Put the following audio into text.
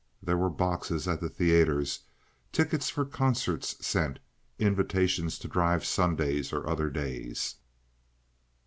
There were boxes at the theaters, tickets for concerts sent, invitations to drive Sundays or other days.